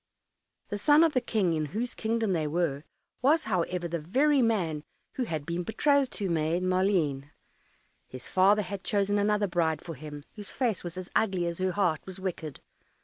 The son of the King in whose kingdom they were, was, however, the very man who had been betrothed to Maid Maleen. His father had chosen another bride for him, whose face was as ugly as her heart was wicked.